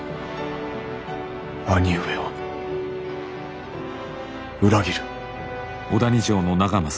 義兄上を裏切る。